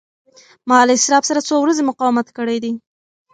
ما له اضطراب سره څو ورځې مقاومت کړی دی.